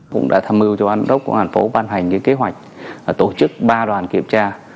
cũng đã thăm mưa cho ban giám đốc công an thành phố ban hành kế hoạch tổ chức ba đoàn kiểm tra